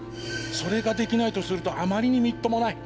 それができないとするとあまりにみっともない。